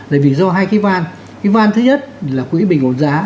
là vì do hai cái van cái van thứ nhất là quỹ bình ổn giá